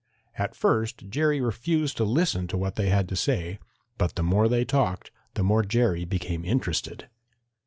At first Jerry refused to listen to what they had to say, but the more they talked the more Jerry became interested.